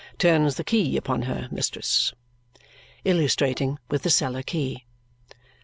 Turns the key upon her, mistress." Illustrating with the cellar key.